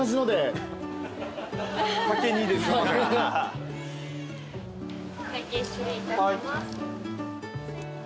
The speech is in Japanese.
お会計失礼いたします。